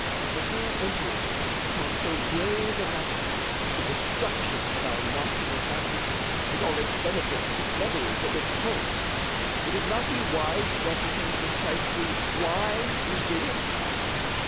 Before entering upon so grave a matter as the destruction of our national fabric, with all its benefits, its memories, and its hopes, would it not be wise to ascertain precisely why we do it?